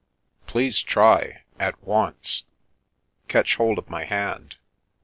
" Please try — at once. Catch hold of my hand."